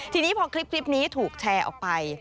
ทีนี้พอคลิปนี้ถูกแชร์ออกไป